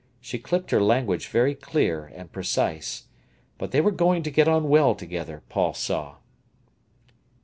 She clipped her language very clear and precise. But they were going to get on well together, Paul saw.